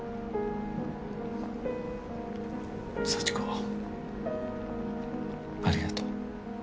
幸子ありがとう。